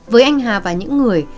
với anh hà và những người